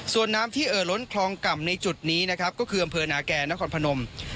ส่วนน้ำที่เอ่อล้นคลองกล่ำในจุดนี้นะครับก็คืออำเภอนาแก่นครพนม